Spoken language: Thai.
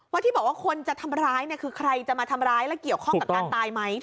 ที่บอกว่าคนจะทำร้ายเนี่ยคือใครจะมาทำร้ายและเกี่ยวข้องกับการตายไหม